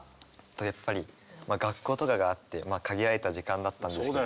やっぱり学校とかがあって限られた時間だったんですけど。